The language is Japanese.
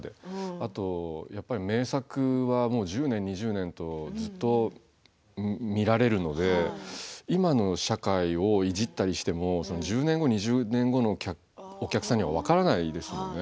あと、やっぱり名作は１０年、２０年とずっと見られるので今の社会をいじったりしても１０年後、２０年後のお客さんには分からないですよね。